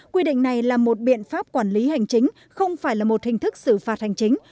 quy định này là một biện pháp quản lý hành chính không phải là một hình thức xử phạt hành chính